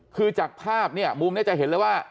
คือจากภาพเนี่ยมุมนี้จะเห็นเลยว่า